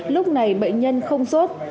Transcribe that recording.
lúc này bệnh nhân không sốt